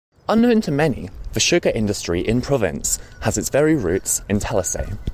Unknown to many, the sugar industry in province has its very roots in Talisay.